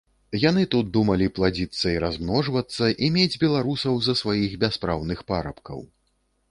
Яны тут думалі пладзіцца і размножвацца і мець беларусаў за сваіх бяспраўных парабкаў.